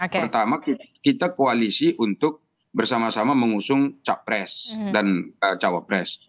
pertama kita koalisi untuk bersama sama mengusung capres dan cawapres